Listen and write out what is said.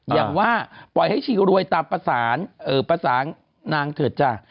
อย่างว่าปล่อยให้ชีรวยตามประสานประสานนางเถอะจ้ะ